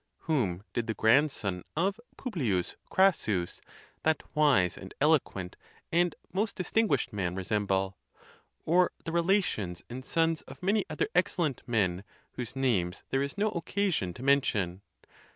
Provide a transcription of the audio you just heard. Whom did the grandson of P. Crassus, that wise and elo quent and most distinguished man, resemble? © Or the re lations and sons of many other excellent men, whose names there is no occasion to mention?